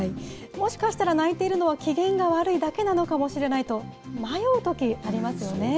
もしかしたら泣いているのは機嫌が悪いだけなのかもしれないと、迷うとき、ありますよね。